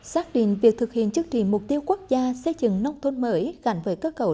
xác định việc thực hiện chức trị mục tiêu quốc gia xây dựng nông thôn mới gắn với cơ cầu